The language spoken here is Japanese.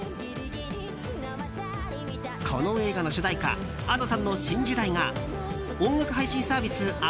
この映画の主題歌Ａｄｏさんの「新時代」が音楽配信サービス